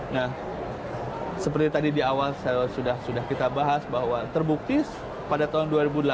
nah seperti tadi di awal sudah kita bahas bahwa terbukti pada tahun dua ribu delapan belas